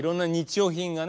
用品がね